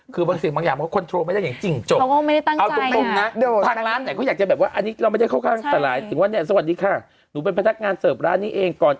คือเกลียดน่ะเป็นตัวเขาอ่ะกินได้หรือเธอคังคบมันมีพิษ